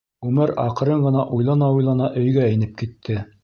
Үмәр аҡрын ғына уйлана-уйлана өйгә инеп китте.